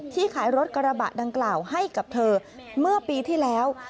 ขายรถกระบะดังกล่าวให้กับเธอเมื่อปีที่แล้ว